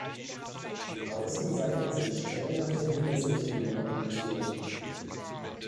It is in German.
Die Außenseiten sind streng nach den Himmelsrichtungen orientiert.